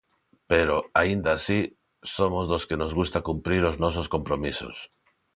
Pero, aínda así, somos dos que nos gusta cumprir os nosos compromisos.